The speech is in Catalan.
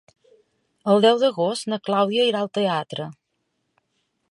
El deu d'agost na Clàudia irà al teatre.